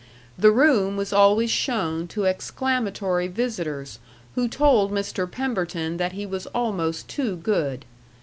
The room was always shown to exclamatory visitors, who told Mr. Pemberton that he was almost too good.